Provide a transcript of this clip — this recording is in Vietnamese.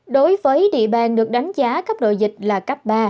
đối với địa bàn được đánh giá cấp độ dịch là cấp ba